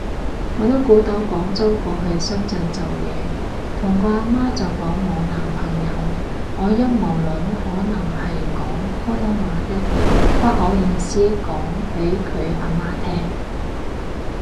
我都估到廣州過去深圳做嘢，同個啊媽就講冇男朋友。，我陰謀論可能係講普通話的，不好意思講畀佢啊媽聼